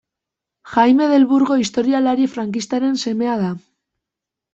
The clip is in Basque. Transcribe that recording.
Jaime del Burgo historialari frankistaren seme da.